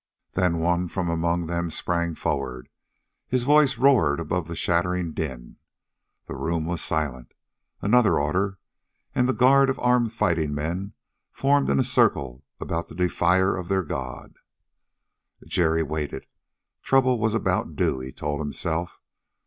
Then one from among them sprang forward. His voice roared above the shattering din. The room was still. Another order, and the guard of armed fighting men formed in a circle about the defier of their god. Jerry waited. Trouble was about due, he told himself.